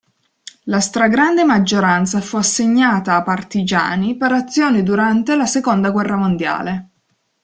La stragrande maggioranza fu assegnata a partigiani per azioni durante la seconda guerra mondiale.